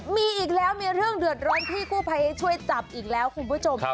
มีอีกแล้วมีเรื่องเดือดร้อนพี่กู้ภัยให้ช่วยจับอีกแล้วคุณผู้ชม